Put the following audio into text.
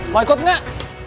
mau ikut gak